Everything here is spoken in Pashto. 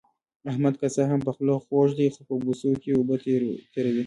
احمد که څه هم په خوله خوږ دی، خو په بوسو کې اوبه تېروي.